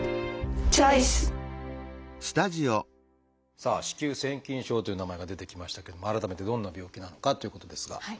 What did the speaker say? さあ「子宮腺筋症」という名前が出てきましたけども改めてどんな病気なのかっていうことですが。